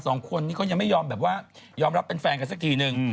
สองคนนี้เขายังไม่ยอมแบบว่ายอมรับเป็นแฟนกันสักทีนึง